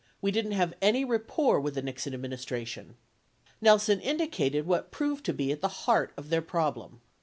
We didn't have any rapport wi th the Nixon admin istration." 26 Nelson indicated what proved to be at the heart of their problem.